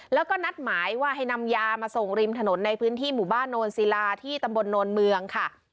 แล้วก็นัดหมายว่าให้นำยามาส่งริมถนนในพื้นที่หมู่บ้านโนนศิลาที่ตำบลโนนเมืองค่ะ